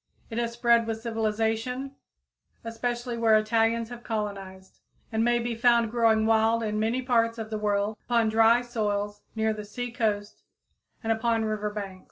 It has spread with civilization, especially where Italians have colonized, and may be found growing wild in many parts of the world, upon dry soils near the sea coast and upon river banks.